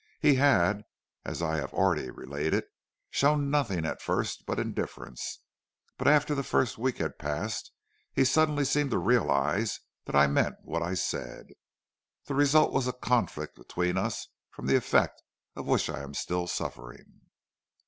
He had as I have already related, shown nothing at first but indifference, but after the first week had passed he suddenly seemed to realize that I meant what I said. The result was a conflict between us from the effects of which I am still suffering.